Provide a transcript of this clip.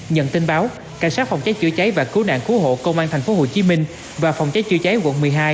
nhận tin báo cảnh sát phòng cháy chữa cháy và cứu nạn cứu hộ công an tp hcm và phòng cháy chữa cháy quận một mươi hai